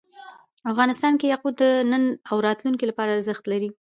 افغانستان کې یاقوت د نن او راتلونکي لپاره ارزښت لري.